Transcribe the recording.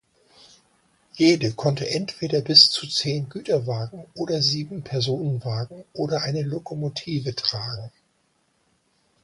Jede konnte entweder bis zu zehn Güterwagen oder sieben Personenwagen oder eine Lokomotive tragen.